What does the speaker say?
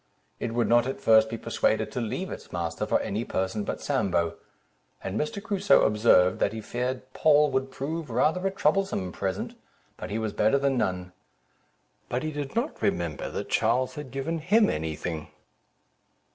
It would not at first be persuaded to leave its master for any person but Sambo; and Mr. Crusoe observed, that he feared Poll would prove rather a troublesome present, but he was better than none; but he did not remember that Charles had given him any thing.